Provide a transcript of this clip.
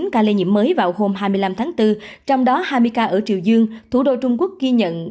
hai mươi chín ca lây nhiễm mới vào hôm hai mươi năm tháng bốn trong đó hai mươi ca ở triều dương thủ đô trung quốc ghi nhận tám